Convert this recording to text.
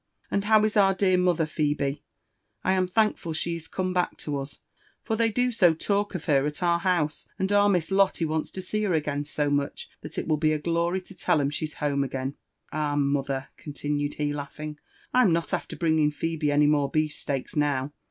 And how is our dear mother, Phebe Y I am tbaaklul she is come back to us ; for they do so talk of her at acr hMtse^ and our Miss Lolte wan|s to see her again so much, that it will be a ^ory to tell 'em she's home again. Ah, mother !" eoatinued he, laughing, I'm not after bringing Phebe any more beef ateaks now.